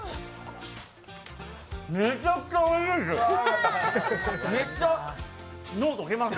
めちゃくちゃおいしいです、脳溶けます。